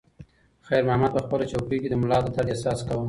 خیر محمد په خپله چوکۍ کې د ملا د درد احساس کاوه.